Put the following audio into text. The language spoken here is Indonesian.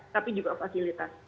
tapi juga fasilitas